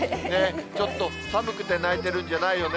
ちょっと寒くて泣いてるんじゃないよね？